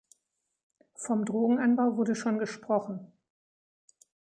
Vom Drogenanbau wurde schon gesprochen.